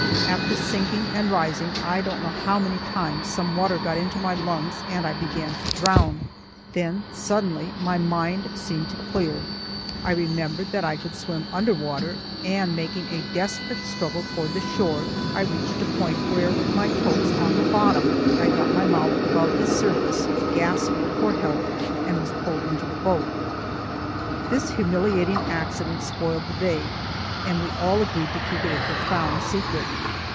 After sinking and rising I don't know how many times, some water got into my lungs and I began to drown. Then suddenly my mind seemed to clear. I remembered that I could swim under water, and, making a desperate struggle toward the shore, I reached a point where with my toes on the bottom I got my mouth above the surface, gasped for help, and was pulled into the boat. This humiliating accident spoiled the day, and we all agreed to keep it a profound secret.